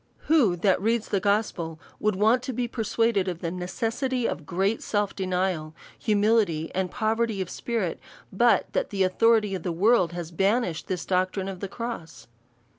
AVho that reads the gospel, would want to be per suaded of the necessity of great self denial, humility, and poverty of spirit, but that the authority of the world has banished this doctrine of ^lie cross?